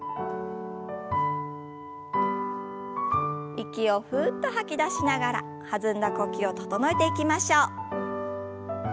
息をふっと吐き出しながら弾んだ呼吸を整えていきましょう。